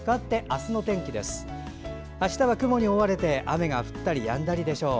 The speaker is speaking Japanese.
あしたは雲に覆われて雨が降ったりやんだりでしょう。